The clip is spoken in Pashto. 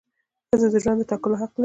ښځه د ژوند د ټاکلو حق لري.